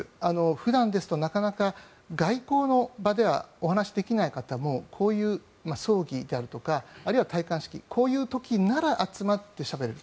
普段ですとなかなか外交の場ではお話しできない方もこういう葬儀であるとか戴冠式こういう時なら集まってしゃべれる。